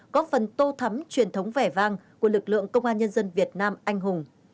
góp phần tô thắm truyền thống vẻ vang của lực lượng công an nhân dân việt nam anh hùng